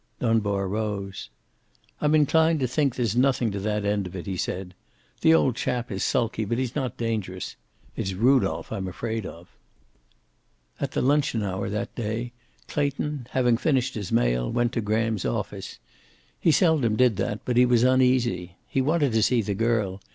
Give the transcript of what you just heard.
Dunbar rose. "I'm inclined to think there's nothing to that end of it," he said. "The old chap is sulky, but he's not dangerous. It's Rudolph I'm afraid of." At the luncheon hour that day Clayton, having finished his mail, went to Graham's office. He seldom did that, but he was uneasy. He wanted to see the girl.